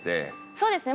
そうですね。